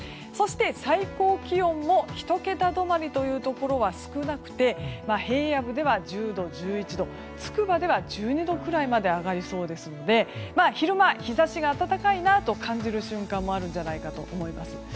そして、最高気温も１桁止まりというところは少なくて平野部では１０度、１１度筑波では１２度ぐらいまで上がりそうですので昼間、日差しが暖かいなと感じる瞬間もあると思います。